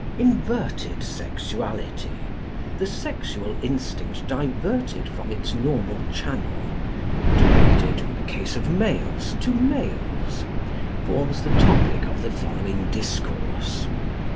Inverted sexuality, the sexual instinct diverted from its normal channel, directed (in the case of males) to males, forms the topic of the following discourse.